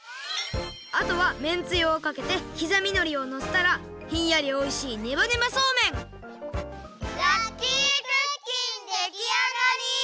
あとはめんつゆをかけてきざみのりをのせたらひんやりおいしいラッキークッキンできあがり！